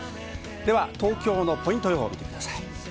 では、東京のポイント予報、見てください。